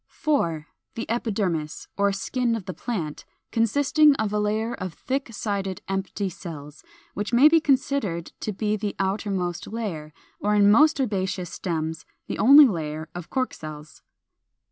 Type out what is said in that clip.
4. The EPIDERMIS, or skin of the plant, consisting of a layer of thick sided empty cells, which may be considered to be the outermost layer, or in most herbaceous stems the only layer, of cork cells.